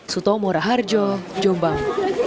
suto mora harjo jombang